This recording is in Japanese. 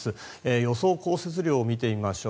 予想降雪量を見てみましょう。